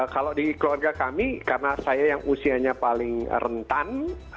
kalau di keluarga kami karena saya yang usianya paling rentan